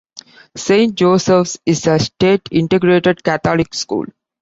Saint Joseph's is a state integrated Catholic school.